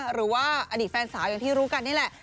หรือว่าอดีตแฟนสาวอย่างที่รู้กันนี่แหละ